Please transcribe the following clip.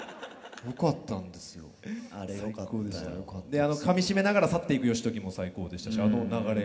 あのかみしめながら去っていく義時も最高でしたしあの流れを。